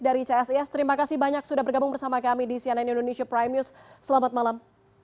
dari csis terima kasih banyak sudah bergabung bersama kami di cnn indonesia prime news selamat malam